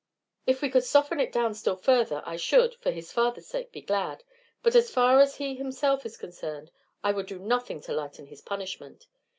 "If we could soften it down still further I should, for his father's sake, be glad; but as far as he himself is concerned, I would do nothing to lighten his punishment.